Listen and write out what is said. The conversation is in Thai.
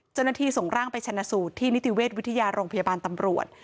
เจ้าหน้าที่ส่งร่างไปชนะสูตรที่นิติเวชวิทยาโรงพยาบาลตำรวจ